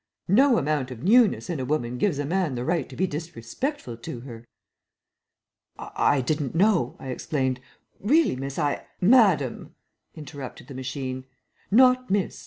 No amount of newness in a woman gives a man the right to be disrespectful to her." "I didn't know," I explained. "Really, miss, I " "Madame," interrupted the machine, "not miss.